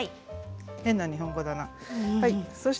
変な日本語だな。